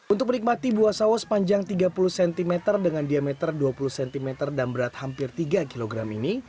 untuk menikmati buah sawo sepanjang tiga puluh cm dengan diameter dua puluh cm dan berat hampir tiga kg ini